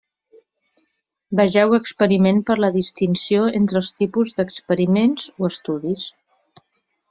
Vegeu experiment per la distinció entre els tipus d'experiments o estudis.